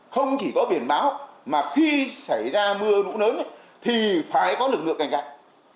không chỉ có biển bão mà khi xảy ra mưa nụ lớn thì phải có lực lượng cạnh cạnh